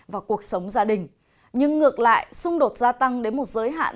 và cuộc sống gia đình nhưng ngược lại xung đột gia tăng đến một giới hạn